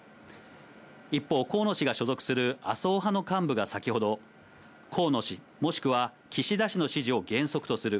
一方、河野氏が所属する麻生派の幹部が先ほど、河野氏、もしくは岸田氏の支持を原則とする。